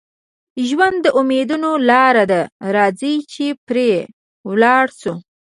ژوند د امیدونو لاره ده، راځئ چې پرې ولاړ شو.